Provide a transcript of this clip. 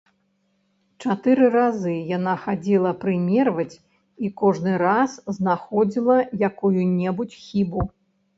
Чатыры разы яна хадзіла прымерваць і кожны раз знаходзіла якую-небудзь хібу.